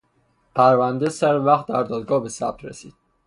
پرونده سروقت در دادگاه به ثبت رسید.